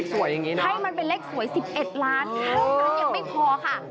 ให้มันเป็นเลขสวย๑๑ล้านเท่านั้นยังไม่พอค่ะ